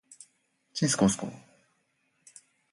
ちんすこうすこ